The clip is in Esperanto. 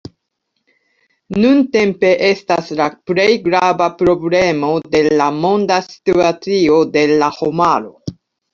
Nuntempe estas la plej grava problemo de la monda situacio de la homaro.